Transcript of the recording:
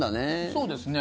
そうですね。